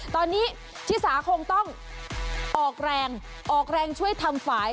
ตอนนี้ชิสาคงต้องออกแรงออกแรงช่วยทำฝ่าย